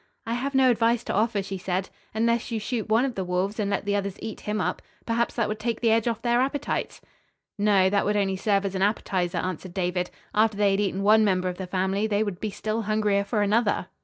"I have no advice to offer," she said, "unless you shoot one of the wolves and let the others eat him up. Perhaps that would take the edge off their appetites." "No, that would only serve as an appetizer," answered David. "After they had eaten one member of the family they would be still hungrier for another."